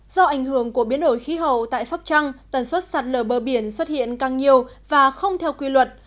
do ảnh hưởng của biến đổi khí hậu tại sóc trăng tần suất sạt lở bờ biển xuất hiện càng nhiều và không theo quy luật